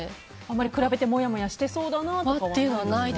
比べてもやもやしてそうだなというのは？